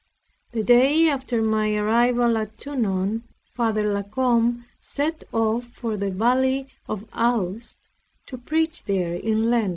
The day after my arrival at Tonon, Father La Combe set off for the valley of Aoust, to preach there in Lent.